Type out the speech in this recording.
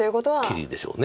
切りでしょう。